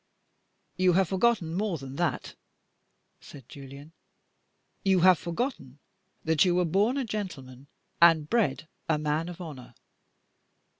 "You have forgotten more than that," said Julian. "You have forgotten that you were born a gentleman and bred a man of honor.